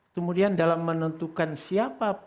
kemudian dalam menentukan siapa